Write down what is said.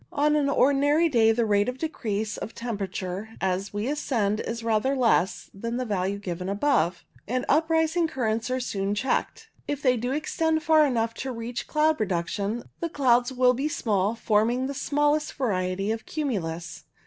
On an ordinary day the rate of decrease of temperature as we ascend is rather less than the value given above, and uprising currents are soon checked. If they do extend far enough to reach cloud production, the clouds will be small, forming the smallest variety of cumulus.